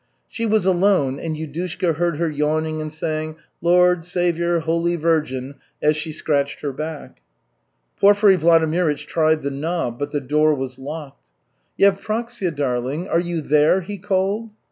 She was alone, and Yudushka heard her yawning and saying, "Lord! Savior! Holy Virgin," as she scratched her back. Porfiry Vladimirych tried the knob, but the door was locked. "Yevpraksia, darling, are you there?" he called.